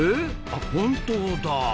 あっ本当だ。